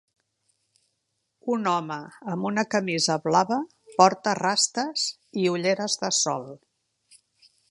Un home amb una camisa blava porta rastes i ulleres de sol.